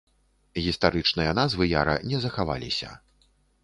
Гістарычныя назвы яра не захаваліся.